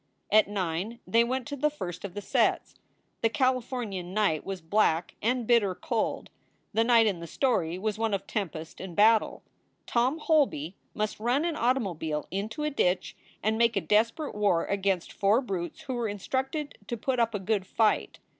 At nine they went to the first of the sets. The Californian night was black and bitter cold. The night in the story was one of tempest and battle. Tom Holby must run an automobile into a ditch and make a desperate war against four brutes who were instructed to put up a good fight.